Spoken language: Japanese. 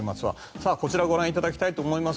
さあ、こちらご覧いただきたいと思います。